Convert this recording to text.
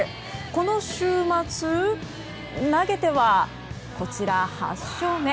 この週末、投げては８勝目。